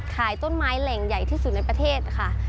ขายต้นไม้แหล่งใหญ่ที่สุดในประเทศค่ะ